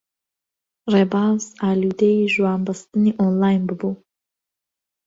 ڕێباز ئاڵوودەی ژوانبەستنی ئۆنلاین بووبوو.